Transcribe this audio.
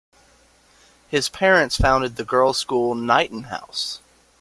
His parents founded the girls school Knighton House.